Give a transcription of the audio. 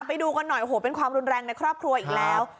ไปดูกันหน่อยโอ้โหเป็นความรุนแรงในครอบครัวอีกแล้ว